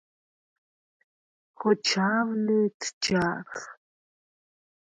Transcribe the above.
ხოჩა̄ვ ლე̄თ ჯა̄რხ!